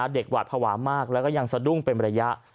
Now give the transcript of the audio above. หวาดภาวะมากแล้วก็ยังสะดุ้งเป็นระยะ